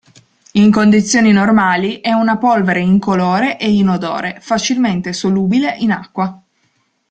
In condizioni normali è una polvere incolore e inodore, facilmente solubile in acqua.